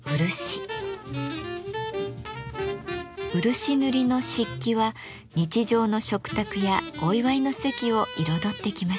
漆塗りの漆器は日常の食卓やお祝いの席を彩ってきました。